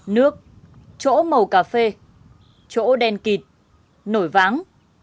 nước chỗ màu cà phê chỗ đen kịt nổi váng